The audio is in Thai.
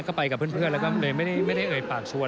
ก็ไปกับเพื่อนแล้วก็เลยไม่ได้เอ่ยปากชวน